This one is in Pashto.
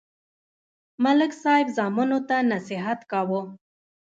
ملک صاحب زامنو ته نصیحت کاوه.